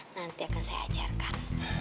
nanti akan saya ajarkan